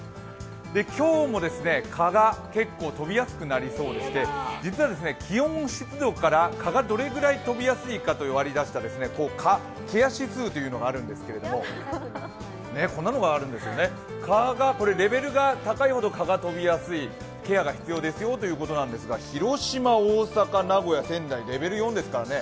今日も蚊が結構飛びやすくなりそうでして実は気温、湿度から、蚊がどれぐらい飛びやすいかという、蚊ケア指数というのがあるんですけど蚊がレベルが高いほど、飛びやすいケアが必要ですよということなんですが、広島、大阪、名古屋、仙台、レベル４ですからね。